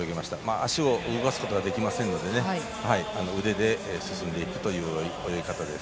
足を動かすことができませんので腕で進んでいくという泳ぎ方です。